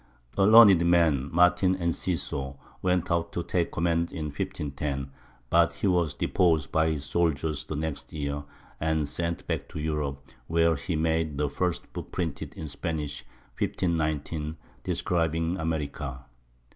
A learned man, Martin Enciso, went out to take command in 1510, but he was deposed by his soldiers the next year and sent back to Europe, where he made the first book printed in Spanish (1519) describing America.